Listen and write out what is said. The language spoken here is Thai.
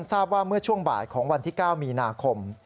ทราบว่าเมื่อช่วงบ่ายของวันที่๙มีนาคม